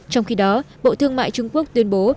trong khi đó bộ thương mại trung quốc tuyên bố